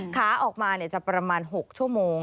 ขาออกมาจะประมาณ๖ชั่วโมง